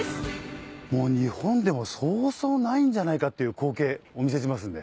もう日本でもそうそうないんじゃないかっていう光景お見せしますんで。